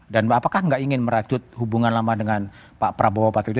dan apakah nggak ingin merajut hubungan lama dengan pak prabowo patrio itu